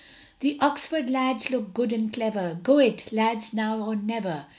The Oxford lads look good and clever, Go it, lads, now or never!